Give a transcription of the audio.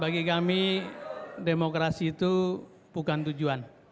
bagi kami demokrasi itu bukan tujuan